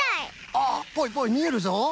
あっぽいぽいみえるぞ。